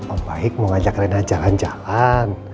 om baik mau ngajak rena jalan jalan